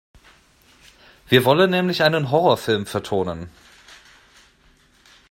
Wir wollen nämlich einen Horrorfilm vertonen.